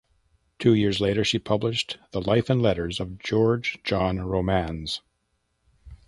Two years later she published "The Life and Letters of George John Romanes".